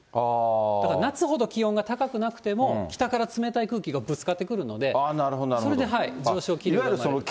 だから夏ほど気温が高くなくても北から冷たい空気がぶつかってくるので、それで上昇気流が生まれると。